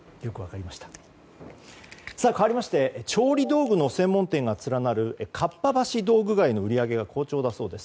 かわりまして調理道具の専門店が連なるかっぱ橋道具街の売り上げが好調だそうです。